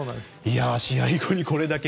試合後に、これだけ。